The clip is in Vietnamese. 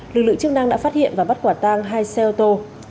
lực lượng chức năng đã phát hiện và bắt quả tang hai xe ô tô